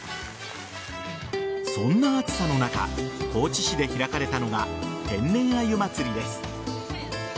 そんな暑さの中高知市で開かれたのが天然あゆまつりです。